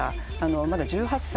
まだ１８歳。